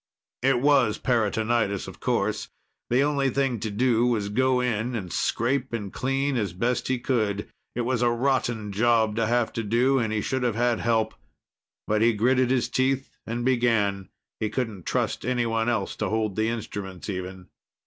It was peritonitis, of course. The only thing to do was to go in and scrape and clean as best he could. It was a rotten job to have to do, and he should have had help. But he gritted his teeth and began. He couldn't trust anyone else to hold the instruments, even.